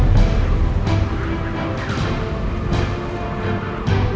pegang mata dia